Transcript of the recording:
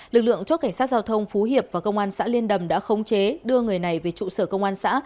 lực lượng chốt cảnh sát giao thông phú hiệp và công an xã liên đầm đã khống chế đưa người này về trụ sở công an xã